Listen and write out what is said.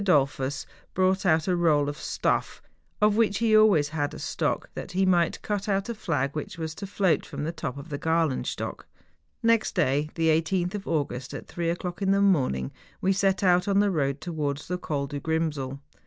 Dollfiis brought out a roll of stuff, of which he had always a stock, that he might cut out a flag which was to float from the top of the Galenstock. Next day, the 18th of August, at three o'clock in the morning, we set out on the road towards the Col du Grimsel.